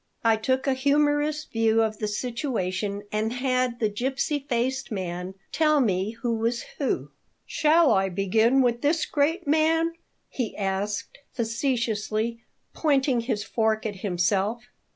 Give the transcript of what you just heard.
I took a humorous view of the situation and had the gipsy faced man tell me who was who "Shall I begin with this great man?" he asked, facetiously, pointing his fork at himself.